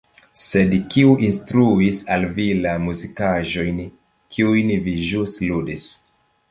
Sed kiu instruis al vi la muzikaĵojn, kiujn vi ĵus ludis.